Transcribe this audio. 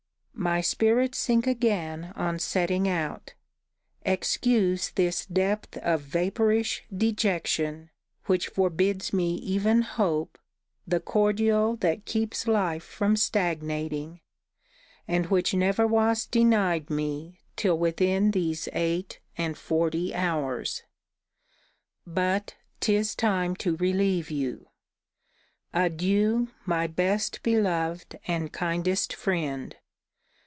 My spirits sink again on setting out. Excuse this depth of vapourish dejection, which forbids me even hope, the cordial that keeps life from stagnating, and which never was denied me till within these eight and forty hours. But 'tis time to relieve you. Adieu, my best beloved and kindest friend!